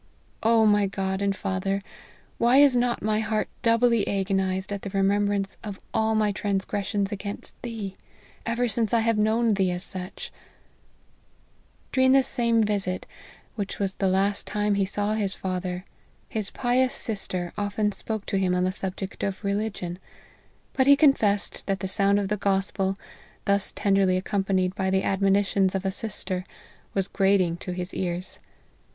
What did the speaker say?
Oh my God and Father, why is not my heart doubly agonized at the remembrance of all my transgressions against Thee, ever since I have known Thee as such !" During this same visit, which was the last time he saAV his father, his pious sister often spoke to him on the subject of reli gion ; but he confessed, that the sound of the gospel, thus tenderly accompanied with the admonitions of a sister, was grating to his ears.